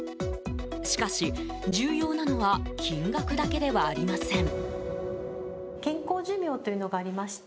しかし、重要なのは金額だけではありません。